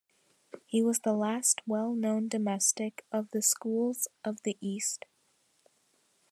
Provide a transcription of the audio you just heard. He was the last well-known Domestic of the Schools of the East.